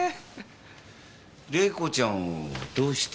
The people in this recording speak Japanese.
玲子ちゃんをどうして？